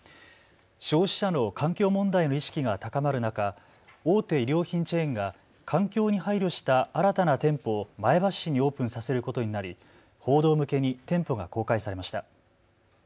消費者の環境問題への意識が高まる中、大手衣料品チェーンが環境に配慮した新たな店舗を前橋市にオープンさせることになり、報道向けに店舗が公開されました。